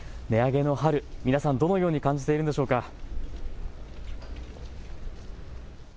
値上げの春、皆さんどのように感じているんでしょうか。